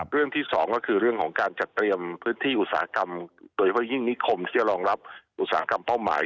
เรื่องที่สองก็คือเรื่องของการจัดเตรียมพื้นที่อุตสาหกรรมโดยเฉพาะยิ่งนิคมที่จะรองรับอุตสาหกรรมเป้าหมาย